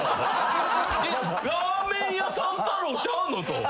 ラーメン屋さん太郎ちゃうの？と。